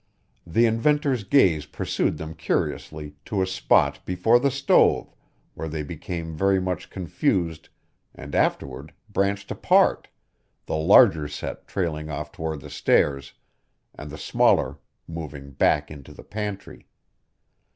The inventor's gaze pursued them curiously to a spot before the stove where they became very much confused and afterward branched apart, the larger set trailing off toward the stairs, and the smaller moving back into the pantry.